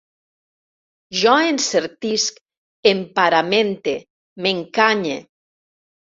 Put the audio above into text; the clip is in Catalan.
Jo encertisc, emparamente, m'encanye